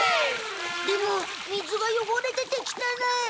でも水がよごれててきたない。